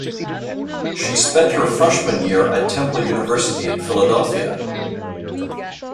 She spent her freshman year at Temple University in Philadelphia.